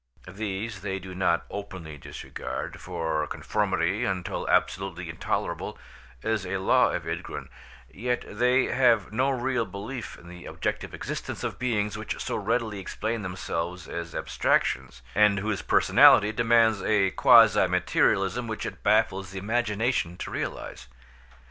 These they do not openly disregard, for conformity until absolutely intolerable is a law of Ydgrun, yet they have no real belief in the objective existence of beings which so readily explain themselves as abstractions, and whose personality demands a quasi materialism which it baffles the imagination to realise.